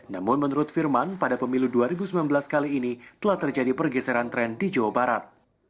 namun menurut firman pada pemilu dua ribu sembilan belas kali ini telah terjadi pergeseran tren di jawa barat